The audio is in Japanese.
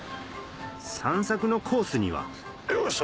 散策のコースにはよいしょ！